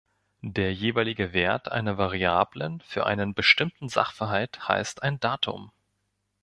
Der jeweilige Wert einer Variablen für einen bestimmten Sachverhalt heißt ein Datum.